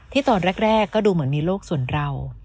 ตอนแรกก็ดูเหมือนมีโลกส่วนเรา